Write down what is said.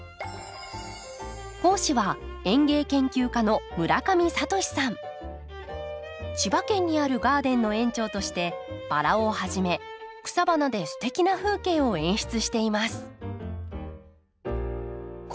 講師は千葉県にあるガーデンの園長としてバラをはじめ草花ですてきな風景を演出しています。